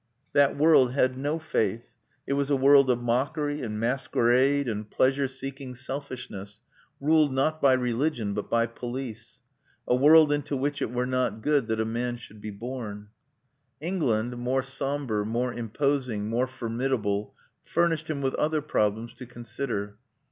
That world had no faith. It was a world of mockery and masquerade and pleasure seeking selfishness, ruled not by religion, but by police; a world into which it were not good that a man should be born. England, more sombre, more imposing, more formidable furnished him with other problems to consider.